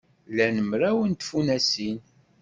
Lan mraw n tfunasin.